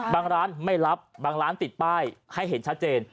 บางร้านไม่รับบางร้านติดป้ายให้เห็นชัดเจน